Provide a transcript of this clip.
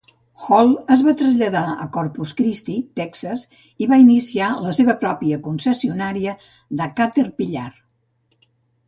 Holt es va traslladar a Corpus Christi, Texas i va iniciar la seva pròpia concessionària de Caterpillar.